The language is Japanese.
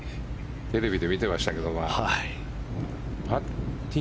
テレビで見てましたけど。